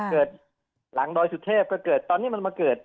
เกิดหลังดอยสุเทพก็เกิดตอนนี้มันมาเกิด